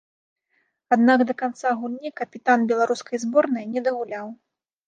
Аднак да канца гульні капітан беларускай зборнай не дагуляў.